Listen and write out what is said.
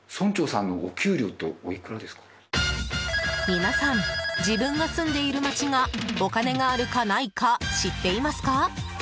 皆さん自分が住んでいるまちがお金があるか、ないか知っていますか？